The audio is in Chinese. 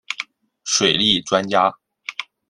水利专家。